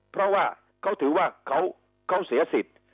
เพราะว่าเขาถือว่าเขาเสียสิทธิ์